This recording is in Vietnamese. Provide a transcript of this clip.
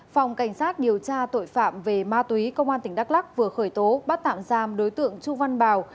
phòng cảnh sát điều tra tội phạm về ma túy công an tỉnh đắk lắc vừa khởi tố bắt tạm giam đối tượng chu văn bảo